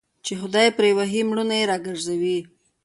چي خداى يې پري وهي مړونه يې راگرځوي